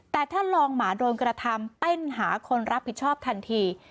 แต่ถ้าลองหมาโดนกระทำเต้นหาคนรับผิดชอบทันที